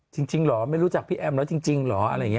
จริงเหรอไม่รู้จักพี่แอมแล้วจริงเหรอ